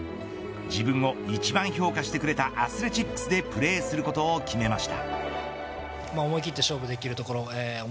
自分を一番評価してくれたアスレチックスでプレーすることを決めました。